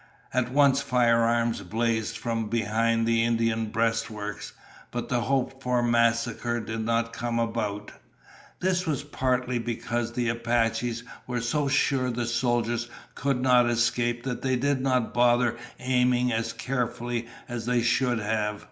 At once firearms blazed from behind the Indians' breastworks. But the hoped for massacre did not come about. This was partly because the Apaches were so sure the soldiers could not escape that they did not bother aiming as carefully as they should have.